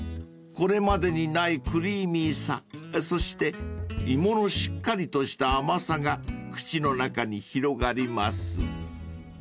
［これまでにないクリーミーさそして芋のしっかりとした甘さが口の中に広がります］